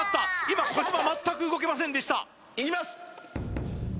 今小島全く動けませんでしたいきます